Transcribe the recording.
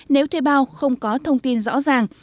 nếu thuê bao không có thông tin rõ ràng